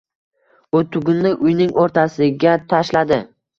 U tugunni uyning oʻrtasiga tashladi.